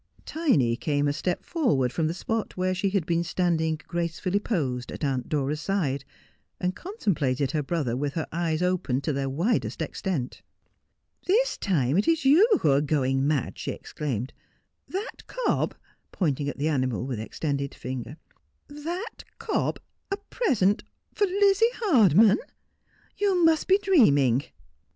Tiny came a step forward from the spot where she had been standing gracefully posed at Aunt Dora's side, and contemplated her brother with her eyes opened to their widest extent. ' This time it is you who are going mad,' she exclaimed. 'That cob,' pointing at the animal with extended finger, " that — cob — a — present — for — Lizzie Hardman ! You must be dreaming